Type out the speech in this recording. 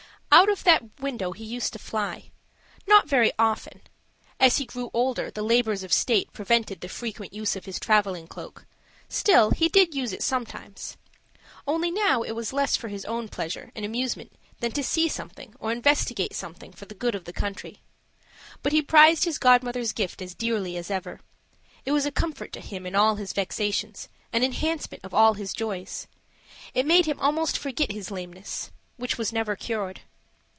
Out of that window he used to fly not very often; as he grew older, the labors of state prevented the frequent use of his traveling cloak; still he did use it sometimes. Only now it was less for his own pleasure and amusement than to see something or investigate something for the good of the country. But he prized his godmother's gift as dearly as ever. It was a comfort to him in all his vexations, an enhancement of all his joys. It made him almost forget his lameness which was never cured.